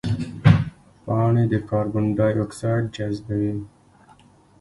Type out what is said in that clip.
پاڼې د کاربن ډای اکساید جذبوي